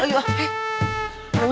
ayo cepetan yuk